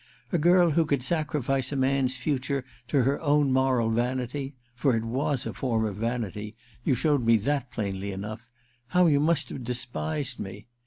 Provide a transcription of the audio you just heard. A girl who could sacrifice a man's future to her own moral vanity — ^for it was a form of vanity ; you showed me that pltunly enough — how you must have despised me!